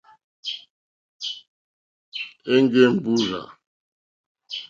Èŋɡé mbúrzà.